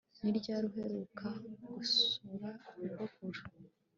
ni ryari uheruka gusura nyogokuru